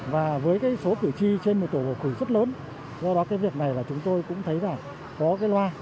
và với số cử tri trên một tổ bầu cử rất lớn do đó việc này chúng tôi cũng thấy có loa